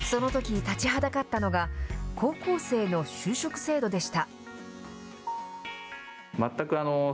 そのときに立ちはだかったのが、高校生の就職制度でした。